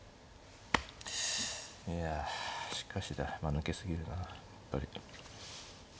いやしかしだ抜け過ぎるなあやっぱり。